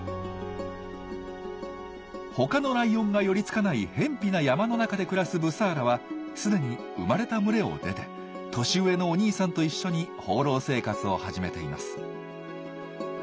他のライオンが寄りつかないへんぴな山の中で暮らすブサーラはすでに生まれた群れを出て年上のお兄さんと一緒に放浪生活を始めています。